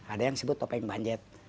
ada yang sebut topeng banjet